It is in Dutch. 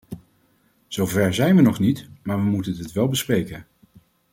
Zover zijn we nog niet, maar we moeten dit wel bespreken.